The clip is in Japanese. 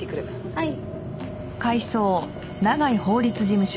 はい。